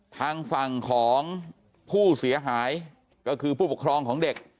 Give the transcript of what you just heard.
ทางฝั่งของผู้เสียหายก็คือผู้ปกครองของเด็ก